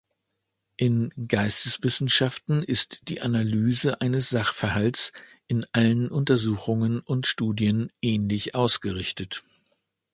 In Geisteswissenschaften ist die Analyse eines Sachverhalts in allen Untersuchungen und Studien ähnlich ausgerichtet.